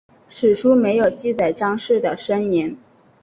史书没有记载张氏的生年。